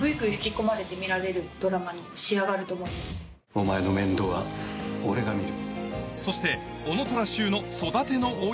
お前の面倒は俺が見る。